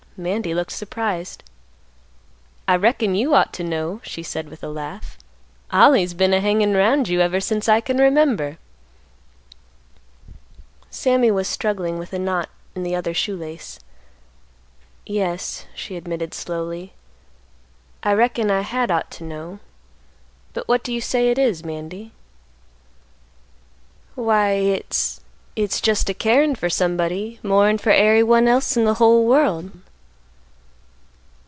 Mandy looked surprised. "I reckon you ought to know," she said with a laugh; "Ollie's been a hangin' 'round you ever since I can remember." Sammy was struggling with a knot in the other shoe lace; "Yes," she admitted slowly; "I reckon I had ought to know; but what do you say it is, Mandy?" "Why, hit's—hit's—jest a caring fer somebody more'n fer ary one else in th' whole world."